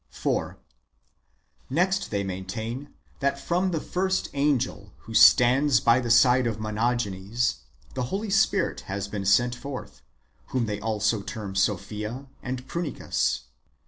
4. Next they maintain, that from the first angel, who stands by the side of Monogenes, the Holy Spirit has been sent forth, whom they also term Sophia and Prunicus.